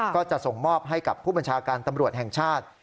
ก็จะส่งมอบให้กับผู้บัญชาการตำรวจแห่งชาติ